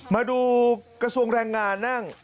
มาดูกระทรวงแรงงานนั่ง